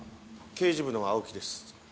刑事部の青木です。